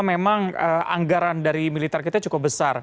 memang anggaran dari militer kita cukup besar